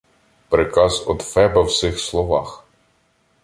Приказ од Феба в сих словах: